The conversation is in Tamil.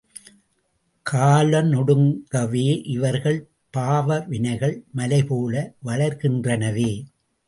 காலனொடுங்கவே இவர்கள் பாப வினைகள் மலைபோல வளருகின்றனவே.